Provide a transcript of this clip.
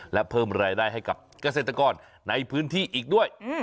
และเพิ่มรายได้ให้กับเกษตรกรในพื้นที่อีกด้วย